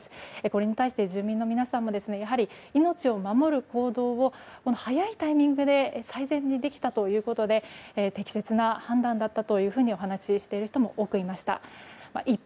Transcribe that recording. これに対して住民の皆さんもやはり命を守る行動を早いタイミングで最善にできたということで適切な判断だったというふうにお話している人も多くいらっしゃいました。